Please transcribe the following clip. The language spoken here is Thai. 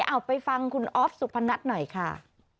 เอาไปฟังคุณออฟสุพนัทหน่อยค่ะ